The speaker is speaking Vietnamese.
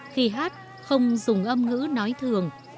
khi hát không dùng âm ngữ nói thường